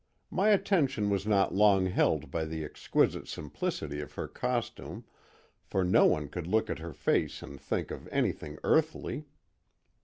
My attention was not long held by the exquisite simplicity of her costume, for no one could look at her face and think of anything earthly.